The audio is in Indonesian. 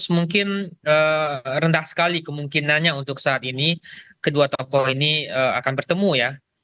mungkin rendah sekali kemungkinannya untuk saat ini kedua tokoh ini akan bertemu ya